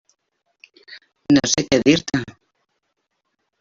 No sé què dir-te.